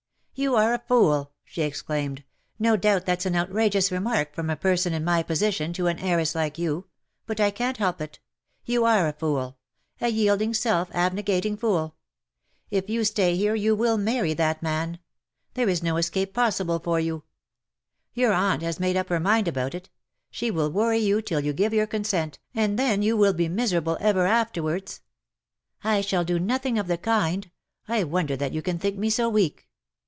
"You are a fool !^^ she exclaimed. "No doubt that''s an outrageous remark from a person in my position to an heiress like you ; but I can''t help it. You are a fool — a yielding, self abnegating fool ! If you stay here you will marry that man. There LOVES YOU AS OF OLD.' 103 is 110 escape possible for you. Your aunt has made up her mind about it. She will worry you till you give your consent, and then you will be miserable ever after wards. ^^" I shall do nothing of the kind. I wonder that you can think me so weak."